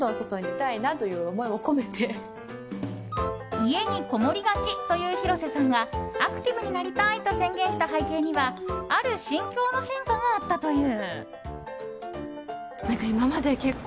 家にこもりがちという広瀬さんがアクティブになりたいと宣言した背景にはある心境の変化があったという。